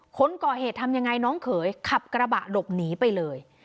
คนก่อเหตุทำยังไงน้องเขยขับกระบะหลบหนีไปเลย